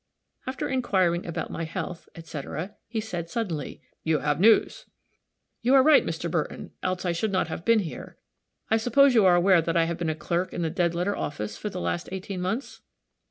After inquiring about my health, etc., he said, suddenly, "You have news." "You are right, Mr. Burton else I should not have been here. I suppose you are aware that I have been a clerk in the dead letter office for the last eighteen months?"